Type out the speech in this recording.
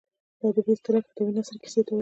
ادبي اصطلاح کې ادبي نثري کیسې ته وايي.